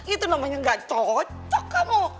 itu namanya gak cocok kamu